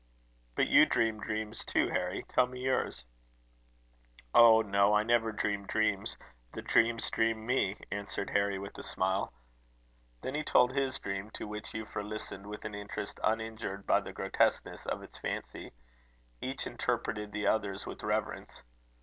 "But you dream dreams, too, Harry. Tell me yours." "Oh, no, I never dream dreams; the dreams dream me," answered Harry, with a smile. Then he told his dream, to which Euphra listened with an interest uninjured by the grotesqueness of its fancy. Each interpreted the other's with reverence.